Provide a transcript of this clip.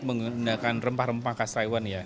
menggunakan rempah rempah khas taiwan ya